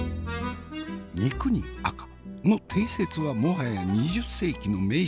「肉に赤」の定説はもはや２０世紀の迷信。